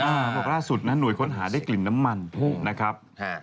เขาบอกล่าสุดนะหน่วยค้นหาได้กลิ่นน้ำมันนะครับ